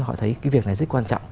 họ thấy cái việc này rất quan trọng